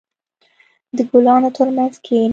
• د ګلانو ترمنځ کښېنه.